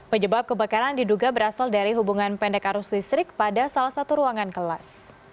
penyebab kebakaran diduga berasal dari hubungan pendek arus listrik pada salah satu ruangan kelas